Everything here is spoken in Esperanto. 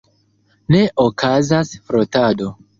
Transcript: Ne okazas frotado!